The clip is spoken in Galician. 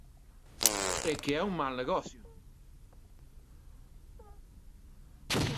É que é un mal negocio.